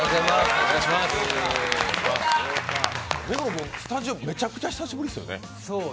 君、スタジオめちゃくちゃ久しぶりですよね。